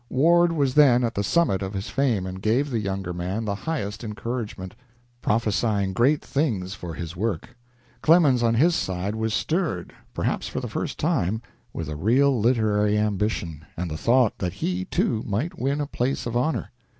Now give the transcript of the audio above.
Ward was then at the summit of his fame, and gave the younger man the highest encouragement, prophesying great things for ha work. Clemens, on his side, was stirred, perhaps for the first time, with a real literary ambition, and the thought that he, too, might win a place of honor.